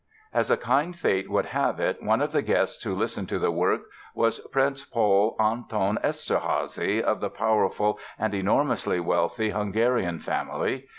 As a kind fate would have it one of the guests who listened to the work was Prince Paul Anton Eszterházy, of the powerful and enormously wealthy Hungarian family.